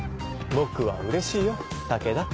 僕はうれしいよ武田。